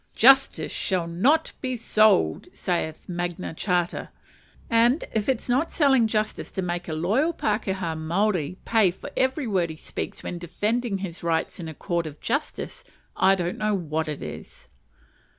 "Justice shall not be sold," saith Magna Charta; and if it's not selling justice to make a loyal pakeha Maori pay for every word he speaks when defending his rights in a court of justice, I don't know what is.